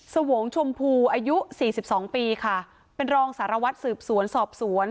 สวงชมพูอายุสี่สิบสองปีค่ะเป็นรองสารวัตรสืบสวนสอบสวน